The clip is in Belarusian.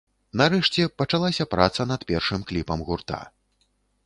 Нарэшце, пачалася праца над першым кліпам гурта.